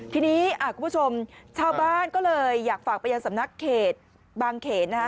ทีนี้ชาวบ้านก็เลยอยากฝากไปจะสำนักงานเขตบางเขน